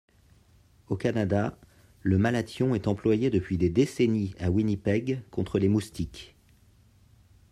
Au Canada, le malathion est employé depuis des décennies à Winnipeg contre les moustiques.